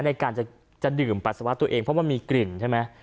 ในการจะดื่มปัสสาวะตัวเองเพราะว่ามีกลิ่นใช่ไหม